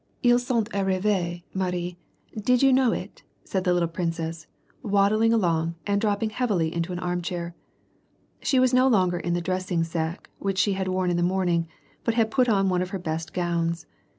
" lis sont arrives^ Marie ; did you know it ?" said the little princess, waddling along, and dropping heavily into an arm chair. She was no longer in the dressing sack, which she had worn in the morning, but had put on one of her best gowns.